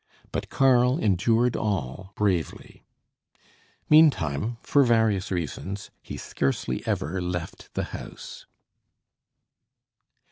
But Karl endured all bravely. Meantime, for various reasons, he scarcely ever left the house.